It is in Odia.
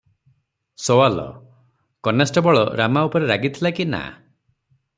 ସୱାଲ - କନେଷ୍ଟବଳ ରାମା ଉପରେ ରାଗିଥିଲା କି ନା?